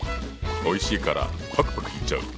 おいしいからパクパクいっちゃう！